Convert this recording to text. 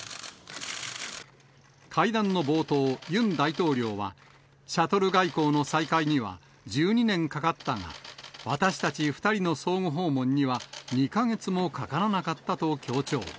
会談の冒頭、ユン大統領は、シャトル外交の再開には、１２年かかったが、私たち２人の相互訪問には２か月もかからなかったと強調。